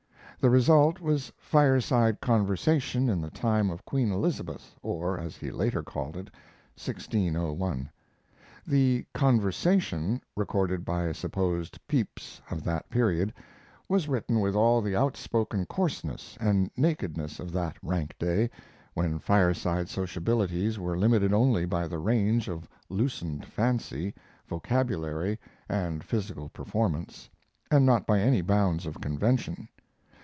The result was Fireside Conversation in the Time of Queen Elizabeth, or, as he later called it, 1601. The "conversation," recorded by a supposed Pepys of that period, was written with all the outspoken coarseness and nakedness of that rank day, when fireside sociabilities were limited only by the range of loosened fancy, vocabulary, and physical performance, and not by any bounds of convention.